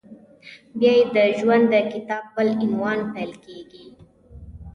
بیا یې د ژوند د کتاب بل عنوان پیل کېږي…